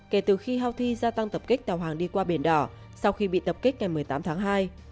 kể từ khi houthi gia tăng tập kích tàu hàng đi qua biển đỏ sau khi bị tập kích ngày một mươi tám tháng hai